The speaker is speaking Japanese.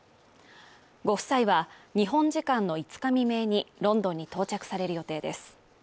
ご夫妻は日本時間の５日未明にロンドンに到着される予定です。